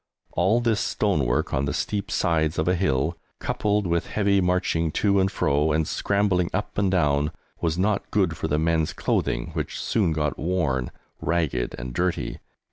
All this stone work on the steep sides of a hill, coupled with heavy marching to and fro, and scrambling up and down, was not good for the men's clothing, which soon got worn, ragged and dirty.